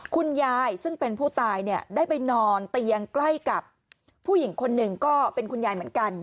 คุณยายซึ่งเป็นผู้ตายเนี่ยได้ไปนอนเตียงใกล้กับผู้หญิงคนหนึ่งก็เป็นคุณยายเหมือนกัน